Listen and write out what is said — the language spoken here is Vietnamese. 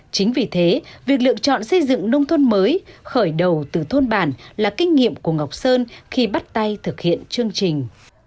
chính vì thế việc lựa chọn xây dựng nông thôn mới khởi đầu từ thôn bản là kinh nghiệm của ngọc sơn khi bắt tay thực hiện chương trình